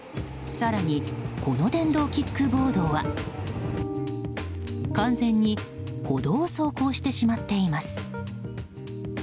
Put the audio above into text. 更にこの電動キックボードは完全に歩道を走行してしまっています。